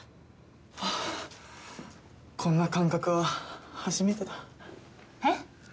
こんな感覚は初めてだえっ？